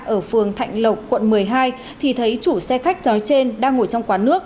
ở phường thạnh lộc quận một mươi hai thì thấy chủ xe khách nói trên đang ngồi trong quán nước